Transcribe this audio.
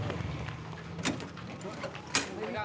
tolong ada yang mau melahirkan